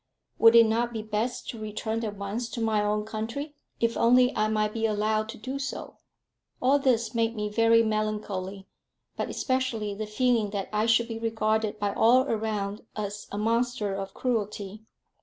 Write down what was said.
Would it not be best to return at once to my own country, if only I might be allowed to do so. All this made me very melancholy, but especially the feeling that I should be regarded by all around as a monster of cruelty.